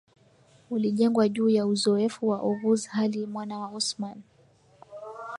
ulijengwa juu ya uzoefu wa Oghuz hali Mwana wa Osman